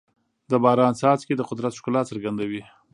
د باران څاڅکي د قدرت ښکلا څرګندوي.